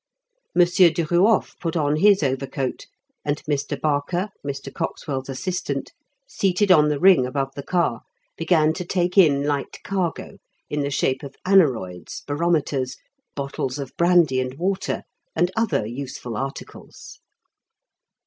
M Duruof put on his overcoat, and Mr. Barker, Mr. Coxwell's assistant, seated on the ring above the car, began to take in light cargo in the shape of aneroids, barometers, bottles of brandy and water, and other useful articles.